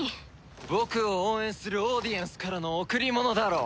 僕を応援するオーディエンスからの贈り物だろう。